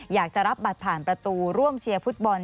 อยากจะรับบัตรผ่านประตูร่วมเชียร์ฟุตบอล